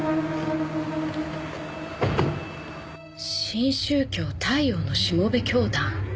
新宗教太陽のしもべ教団？